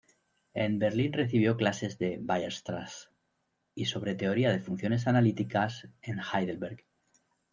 En Berlín recibió clases de Weierstrass, y sobre teoría de funciones analíticas en Heidelberg.